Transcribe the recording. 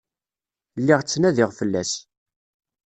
Lliɣ ttnadiɣ fell-as.